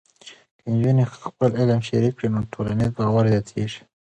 که نجونې خپل علم شریک کړي، نو ټولنیز باور زیاتېږي.